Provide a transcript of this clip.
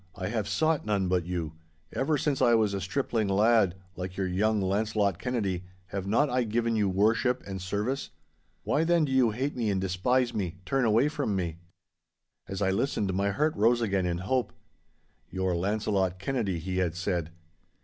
I have sought none but you. Ever since I was a stripling lad, like your young Launcelot Kennedy, have not I given you worship and service? Why then do you hate me, despise me, turn away from me?' As I listened my heart rose again in hope. 'Your Launcelot Kennedy,' he had said.